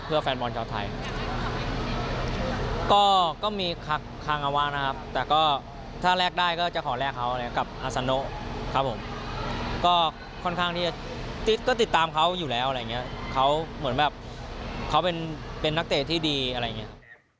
เพื่อแฟนมอนชาวไทย